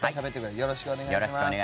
よろしくお願いします。